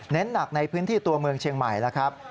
หนักในพื้นที่ตัวเมืองเชียงใหม่แล้วครับ